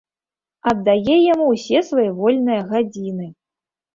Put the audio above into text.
Аддае яму ўсе свае вольныя гадзіны.